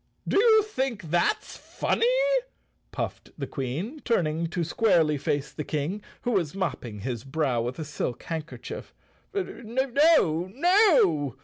" Do you think that's funny? " puffed the Queen, turn¬ ing to squarely face the King, who was mopping his brow with a silk handkerchief. "No—no!"